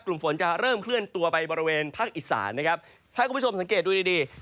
กลุ่มฝนจะเริ่มเคลื่อนตัวไปบริเวณภาคอีสานนะครับถ้าคุณผู้ชมสังเกตดูดีดี